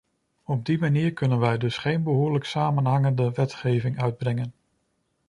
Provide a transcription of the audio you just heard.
Op die manier kunnen wij dus geen behoorlijke samenhangende wetgeving uitbrengen.